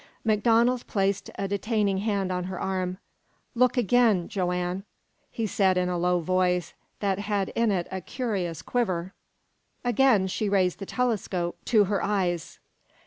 MacDonald placed a detaining hand on her arm. "Look ag'in Joanne," he said in a low voice that had in it a curious quiver. Again she raised the telescope to her eyes.